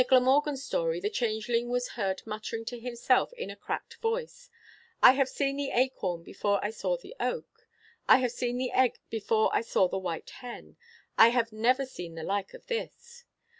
In the Glamorgan story the changeling was heard muttering to himself in a cracked voice: 'I have seen the acorn before I saw the oak: I have seen the egg before I saw the white hen: I have never seen the like of this.'